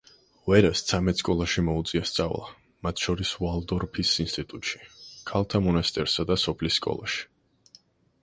ვერას ცამეტ სკოლაში მოუწია სწავლა, მათ შორის, ვალდორფის ინსტიტუტში, ქალთა მონასტერსა და სოფლის სკოლაში.